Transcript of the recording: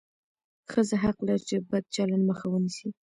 ښځه حق لري چې د بد چلند مخه ونیسي.